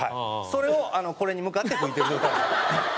それをこれに向かって吹いてる状態。